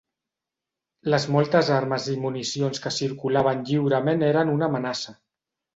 Les moltes armes i municions que circulaven lliurement eren una amenaça.